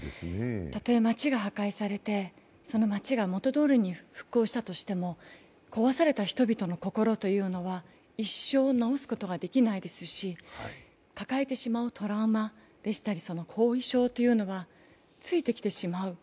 たとえ街が破壊されて、その街が元どおりに復興されたとしても、壊された人々の心というのは一生治すことができないですし抱えてしまうトラウマでしたりその後遺症というのはついてきてしまう。